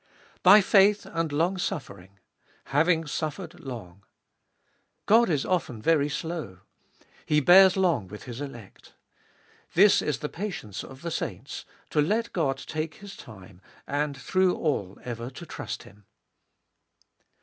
2. By faith and long suffering. Having suffered long. God Is often very slow. "He bears long with His elect." This is the patience of the saints: to let God take His time, and through all ever to trust Him.